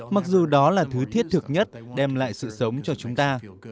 mặc dù đó là thứ thiết thực nhất đem lại sự sống cho chúng ta